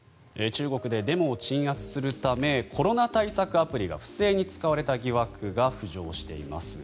中国でデモを鎮圧するためコロナ対策アプリが不正に使われた疑惑が浮上しています。